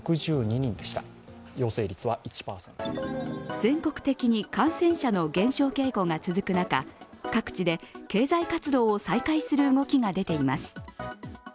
全国的に感染者の減少傾向が続く中各地で経済活動を再開する動きが出ています。